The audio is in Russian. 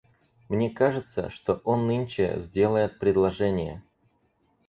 Мне кажется, что он нынче сделает предложение.